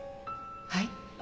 はい？